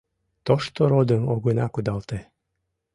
Тошто родым огына кудалте